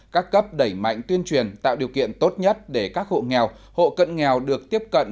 các cấp đẩy mạnh tuyên truyền tạo điều kiện tốt nhất để các hộ nghèo hộ cận nghèo được tiếp cận